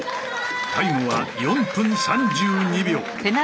タイムは４分３２秒。